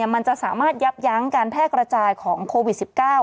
มันจะสามารถยับยั้งการแพร่กระจายของโควิด๑๙